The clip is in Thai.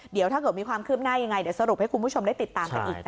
เดี๋ยวถ้าเกิดมีความคืบหน้ายังไงเดี๋ยวสรุปให้คุณผู้ชมได้ติดตามกันอีกนะคะ